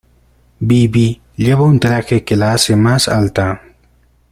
Bibi lleva un traje que la hace más alta.